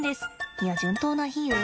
いや順当な比喩？